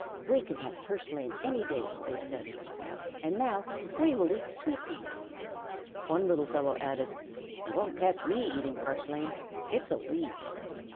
"We can have purslane any day," they said, "and now we will eat sweet peas." One little fellow added: "You won't catch me eating purslane. It's a weed."